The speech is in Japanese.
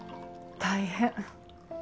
大変。